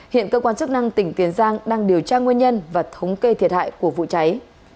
hiện cơ quan chức năng tỉnh tiền giang đang điều tra nguyên nhân và thống kê thiệt hại của vụ cháy